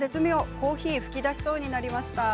コーヒー吹き出しそうになりました。